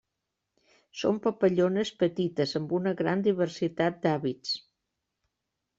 Són papallones petites amb una gran diversitat d'hàbits.